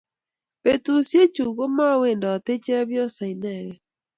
petusiek chuu kumawendatei chepyoso inekei